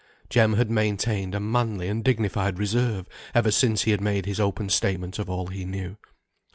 Jem had maintained a manly and dignified reserve ever since he had made his open statement of all he knew.